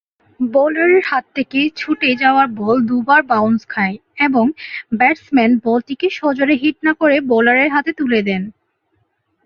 বোলারের হাত থেকে ছুটে যাওয়া বল দু'বার বাউন্স খায় এবং ব্যাটসম্যান বলটিকে সজোরে হিট না করে বোলারের হাতে তুলে দেন।